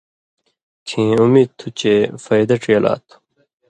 کھیں اُمید تُھو چے فَیدہ ڇېلا تُھو۔